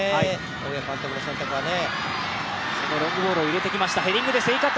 大岩監督の選択はね。